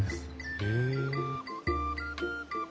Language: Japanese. へえ。